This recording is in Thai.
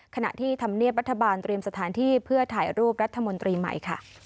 ขณะที่ธรรมเนียบรัฐบาลเตรียมสถานที่เพื่อถ่ายรูปรัฐมนตรีใหม่ค่ะ